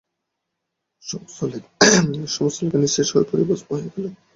সমস্ত লেখা নিঃশেষে পুড়িয়া ভস্ম হইয়া গেল।